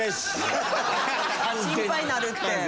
心配になるって。